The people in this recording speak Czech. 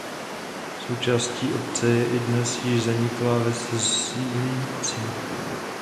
Součástí obce je i dnes již zaniklá ves Zípce.